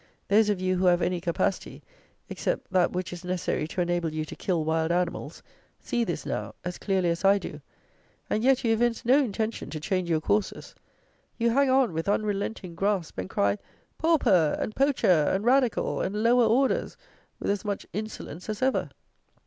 Those of you who have any capacity, except that which is necessary to enable you to kill wild animals, see this now, as clearly as I do; and yet you evince no intention to change your courses. You hang on with unrelenting grasp; and cry "pauper" and "poacher" and "radical" and "lower orders" with as much insolence as ever!